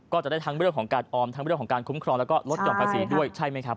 ก็จะได้ทั้งเรื่องของการออมทั้งเรื่องของการคุ้มครองแล้วก็ลดหย่อนภาษีด้วยใช่ไหมครับ